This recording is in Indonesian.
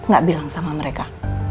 gak bilang sama mereka